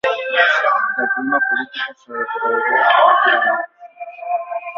El clima político se deterioró rápidamente.